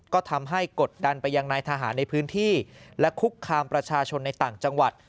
ก็ทำให้กดดันไปยังนายทหารในพื้นที่และคุกคามประชาชนในต่างจังหวัด